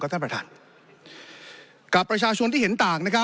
ท่านประธานกับประชาชนที่เห็นต่าง